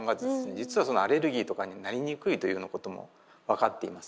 実はそのアレルギーとかになりにくいというようなことも分かっています。